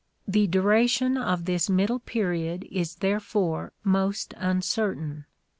The duration of this middle period is therefore most uncertain.